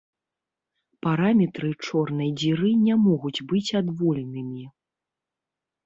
Параметры чорнай дзіры не могуць быць адвольнымі.